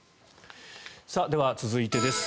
では、続いてです。